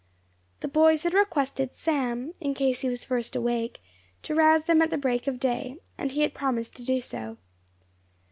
The boys had requested Sam, in case he was first awake, to rouse them at the break of day, and he had promised to do so.